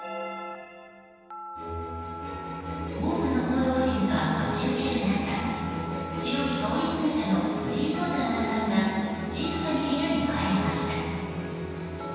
多くの報道陣が待ち受ける中白い羽織姿の藤井聡太七冠が静かに部屋に入りました。